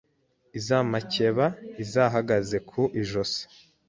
Iz'amakeba izihagaze ku ijosi